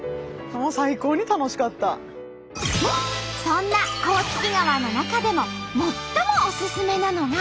そんな甲突川の中でも最もオススメなのが。